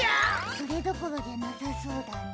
それどころじゃなさそうだな。